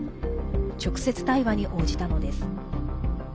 直接対話に応じたのです。